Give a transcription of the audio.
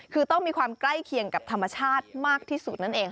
คือต้องมีความใกล้เคียงกับธรรมชาติมากที่สุดนั่นเอง